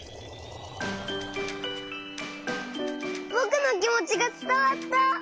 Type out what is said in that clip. ぼくのきもちがつたわった！